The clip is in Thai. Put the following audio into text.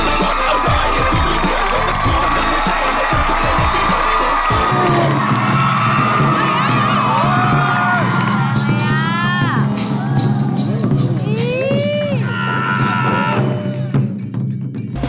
ช่วงโชว์มหาสนุก